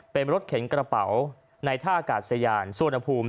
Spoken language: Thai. เป็นรถเข็นกระเป๋าในท่าอากาศยานสวนภูมิ